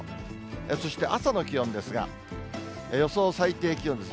そして朝の気温ですが、予想最低気温です。